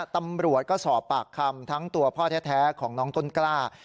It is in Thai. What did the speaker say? ตำรวจก็สอบปากคำทั้งตัวพ่อแท้ของน้องต้นกล้า